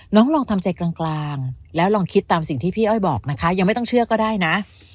ลองทำใจกลางแล้วลองคิดตามสิ่งที่พี่อ้อยบอกนะคะยังไม่ต้องเชื่อก็ได้นะ